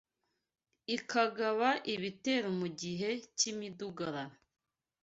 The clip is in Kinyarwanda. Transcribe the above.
ikagaba ibitero mu gihe cy’imidugararo